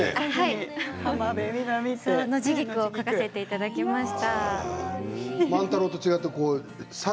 ノジギク描かせていただきました。